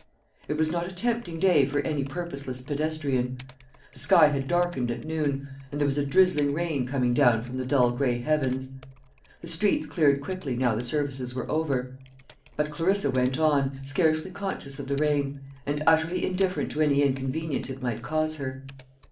It was not a tempting day for any purposeless pedestrian. The sky had darkened at noon, and there was a drizzling rain coming down from the dull gray heavens. The streets cleared quickly now the services were over; but Clarissa went on, scarcely conscious of the rain, and utterly indifferent to any inconvenience it might cause her.